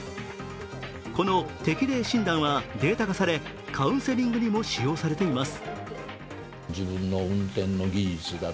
この適齢診断はデータ化されカウンセリングにも使用されています。